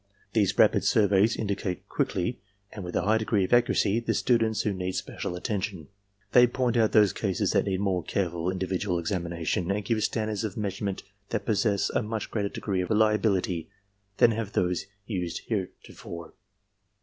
These rapid surveys indicate quickly and with a high degree of accuracy the students who need special atten PRACTICAL APPLICATIONS 189 tion. They point out those cases that need more careful in dividual examination, and give standards of measurement that possess a much greater degree of reliability than have those used heretofore.